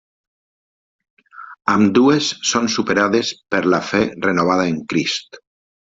Ambdues són superades per la fe renovada en Crist.